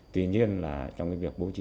tuy nhiên trong việc bố trí